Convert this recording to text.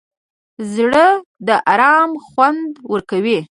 زړه د ارام خوند ورکوي.